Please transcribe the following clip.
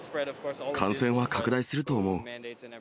感染は拡大すると思う。